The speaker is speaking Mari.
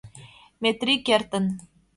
Метри кертын.